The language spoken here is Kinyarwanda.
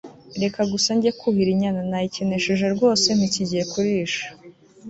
reka gusa njye kuhira inyana, nayikenesheje rwose, ntikigiye kurisha